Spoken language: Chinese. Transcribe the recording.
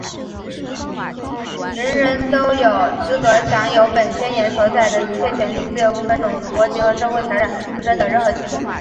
人人有资格享有本宣言所载的一切权利和自由,不分种族、肤色、性别、语言、宗教、政治或其他见解、国籍或社会出身、财产、出生或其他身分等任何区别。